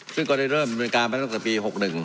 ซึ่งก็ได้เริ่มเป็นการมาตรภัยตั้งแต่ปี๖๑